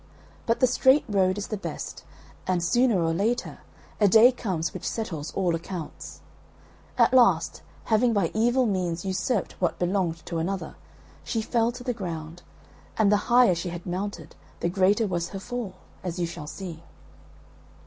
But the straight road is the best; and, sooner or later, a day comes which settles all accounts. At last, having by evil means usurped what belonged to another, she fell to the ground; and the higher she had mounted, the greater was her fall as you shall see.